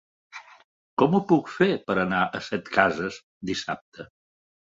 Com ho puc fer per anar a Setcases dissabte?